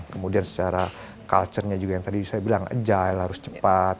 kemudian secara culture nya juga yang tadi saya bilang agile harus cepat